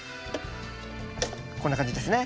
こんな感じですね。